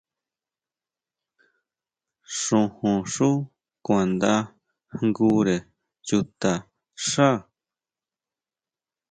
Xojón xú kuandajngure chutaxá.